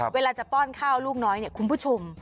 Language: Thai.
เวลาจะป้อนข้าวลูกน้อยเนี่ยคุณผู้ชม